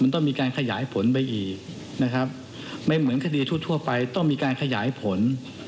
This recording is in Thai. ต้องมีการขยายผลไปอีกไม่เหมือนทฤษฐุทธ์ทั่วไปต้องมีการขยายผล